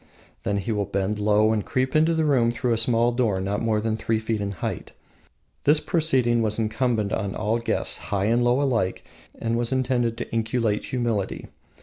Then he will bend low and creep into the room through a small door not more than three feet in height. This proceeding was incumbent on all guests, high and low alike, and was intended to inculcate humility.